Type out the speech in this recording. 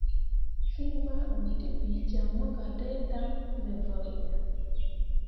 Fîi maduutǝbiijaŋ mo gah dai dan me vurɓe.